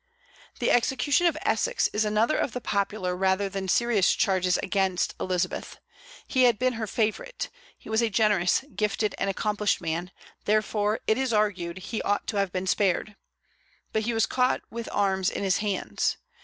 The execution of Essex is another of the popular rather than serious charges against Elizabeth. He had been her favorite; he was a generous, gifted, and accomplished man, therefore, it is argued, he ought to have been spared. But he was caught with arms in his hands.